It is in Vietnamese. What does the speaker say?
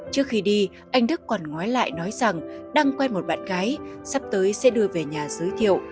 trước khi đi anh đức còn ngói lại nói rằng đang quen một bạn gái sắp tới sẽ đưa về nhà giới thiệu